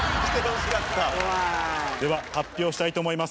では、発表したいと思います。